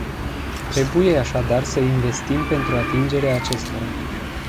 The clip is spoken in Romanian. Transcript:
Trebuie așadar să investim pentru atingerea acestora.